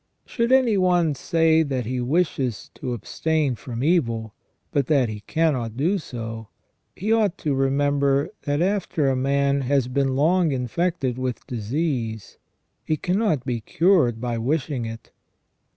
Should any one say that he wishes to abstain from evil, but that he cannot do so, he ought to remember that after a man has been long infected with disease he cannot be cured by wishing it.